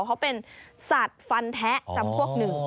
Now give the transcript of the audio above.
เขาเป็นสัตว์ฟันแท้จำพวกหนึ่ง